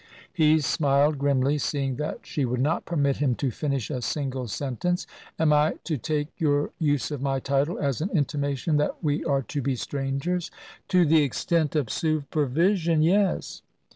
He smiled grimly, seeing that she would not permit him to finish a single sentence. "Am I to take your use of my title as an intimation that we are to be strangers?" "To the extent of supervision, yes."